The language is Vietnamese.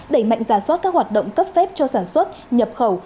đẩy mạnh giả soát các hoạt động cấp phép cho sản xuất nhập khẩu